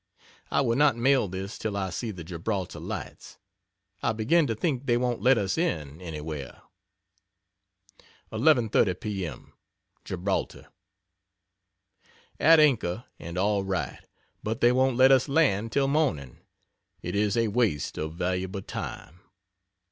I will not mail this till I see the Gibraltar lights I begin to think they won't let us in anywhere. 11.30 P. M. Gibraltar. At anchor and all right, but they won't let us land till morning it is a waste of valuable time.